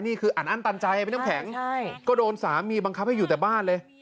นี่คืออัดอั้นตันใจพี่น้ำแข็งก็โดนสามีบังคับให้อยู่แต่บ้านเลย